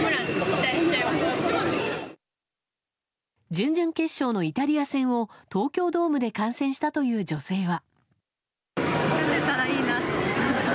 準々決勝のイタリア戦を東京ドームで観戦したという女性は。